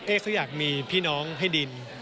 เอ๊ะเขาอยากมีพี่น้องให้ดิน